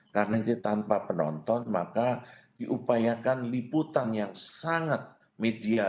karena itu tanpa penonton maka diupayakan liputan yang sangat media